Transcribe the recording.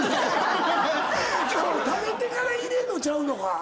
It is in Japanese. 食べてから入れんのちゃうのか？